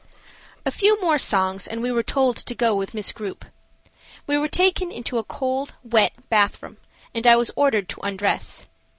A FEW more songs and we were told to go with Miss Grupe. We were taken into a cold, wet bathroom, and I was ordered to undress.